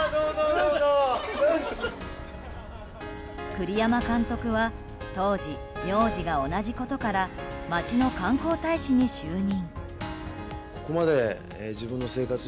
栗山監督は当時名字が同じことから町の観光大使に就任。